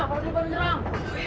atau dia baru nyerang